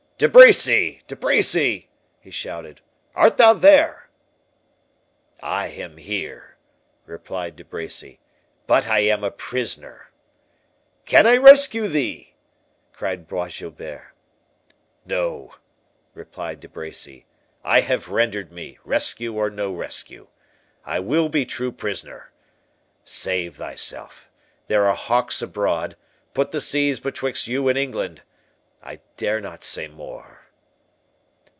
"De Bracy! De Bracy!" he shouted, "art thou there?" "I am here," replied De Bracy, "but I am a prisoner." "Can I rescue thee?" cried Bois Guilbert. "No," replied De Bracy; "I have rendered me, rescue or no rescue. I will be true prisoner. Save thyself—there are hawks abroad—put the seas betwixt you and England—I dare not say more."